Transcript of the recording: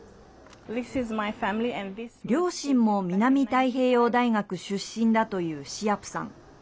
両親も南太平洋大学出身だというシアプさん。